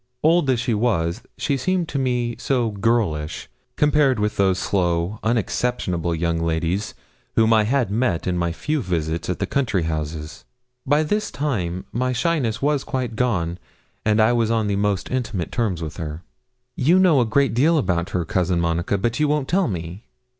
Old as she was, she seemed to me so girlish, compared with those slow, unexceptionable young ladies whom I had met in my few visits at the county houses. By this time my shyness was quite gone, and I was on the most intimate terms with her. 'You know a great deal about her, Cousin Monica, but you won't tell me.'